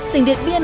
tỉnh điện biên